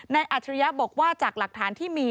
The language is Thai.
นายอัธิรยาบอกว่าจากหลักฐานที่มี